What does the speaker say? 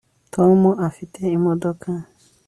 tom afite imodoka